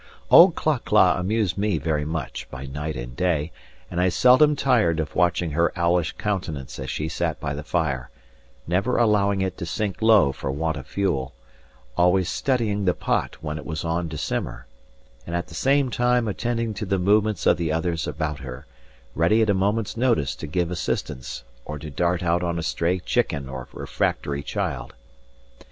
Old Cla cla amused me very much, by night and day, and I seldom tired of watching her owlish countenance as she sat by the fire, never allowing it to sink low for want of fuel; always studying the pot when it was on to simmer, and at the same time attending to the movements of the others about her, ready at a moment's notice to give assistance or to dart out on a stray chicken or refractory child.